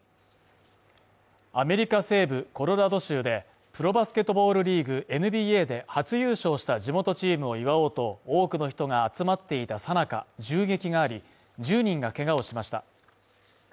アメリカ西部コロラド州でプロバスケットボールリーグＮＢＡで初優勝した地元チームを祝おうと、多くの人が集まっていた最中、銃撃があり、１０人がけがをしました。